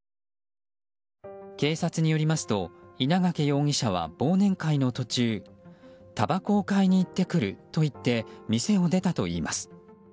警察によりますと稲掛容疑者は忘年会の途中たばこを買いに行ってくると言って店を出たといいます。